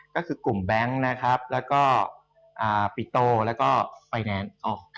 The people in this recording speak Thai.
ก็คือกลุ่มแบงค์นะครับแล้วก็ปิโตแล้วก็ไฟแนนซ์ออก